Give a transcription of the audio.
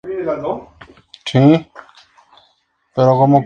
Los instrumentos más populares de la música paraguaya son el arpa y la guitarra.